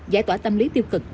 giải tỏa tâm lý tiêu cực